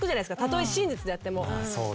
たとえ真実であっても。